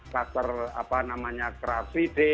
klaster apa namanya kreatif